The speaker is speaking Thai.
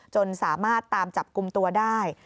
จนสามารถตามจับกลุ่มตัวได้